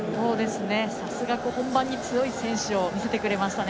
さすが本番に強い選手を見せてくれましたね。